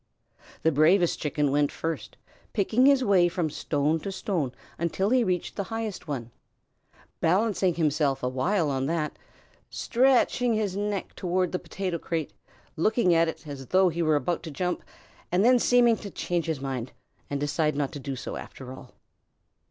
The bravest Chicken went first, picking his way from stone to stone until he reached the highest one, balancing himself awhile on that, stretching his neck toward the potato crate, looking at it as though he were about to jump, and then seeming to change his mind and decide not do so after all.